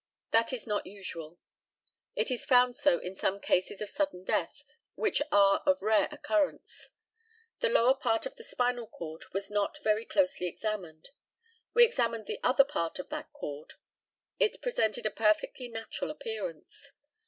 That is not usual. It is found so in some cases of sudden death, which are of rare occurrence. The lower part of the spinal cord was not very closely examined. We examined the upper part of that cord. It presented a perfectly natural appearance.